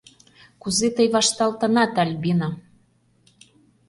Кузе тый вашталтынат, Альбина!